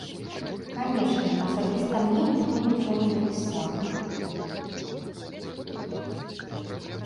Канечне, асабіста мне ніхто нічога не пісаў.